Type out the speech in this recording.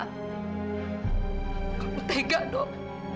kamu tega dok